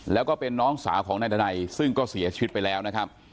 แล้วก็เป็นน้องสาวของนายดันัยซึ่งก็เสียชีวิตไปแล้วนะครับ